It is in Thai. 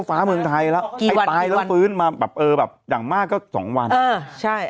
ฟ้าเมืองไทยแล้วไอ้ตายแล้วฟื้นมาแบบอย่างมากก็๒วันใช่